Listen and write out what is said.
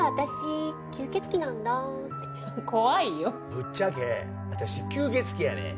「ぶっちゃけ私吸血鬼やねん！」。